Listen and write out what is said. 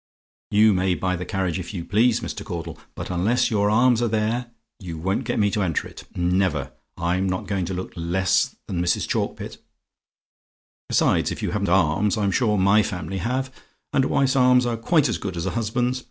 You may buy the carriage if you please, Mr. Caudle; but unless your arms are there, you won't get me to enter it. Never! I'm not going to look less than Mrs. Chalkpit. "Besides, if you haven't arms, I'm sure my family have, and a wife's arms are quite as good as a husband's.